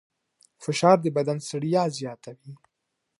فشار د بدن ستړیا زیاتوي.